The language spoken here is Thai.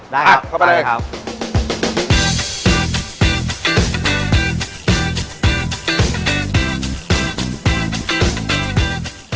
ได้ครับไปเลยครับพักเข้าไปเลย